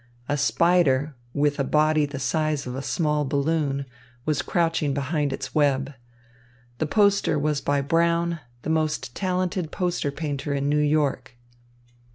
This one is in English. A spider, with a body the size of a small balloon, was crouching behind its web. The poster was by Brown, the most talented poster painter in New York.